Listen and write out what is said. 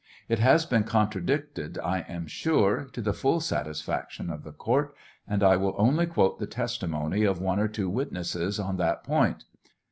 It has been contradicted, I am sure, to the full satisfaction of the court, and I will only quote the testimony of one or two witnesses on that point.